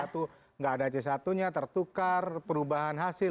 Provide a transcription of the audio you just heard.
c satu nggak ada c satu nya tertukar perubahan hasil